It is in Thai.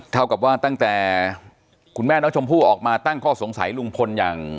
เท่ากับว่าตั้งแต่คุณแม่น้องชมพู่ออกมาตั้งข้อสงสัยลุงพลอย่าง